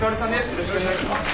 よろしくお願いします。